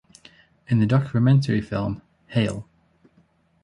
In the documentary film Hail!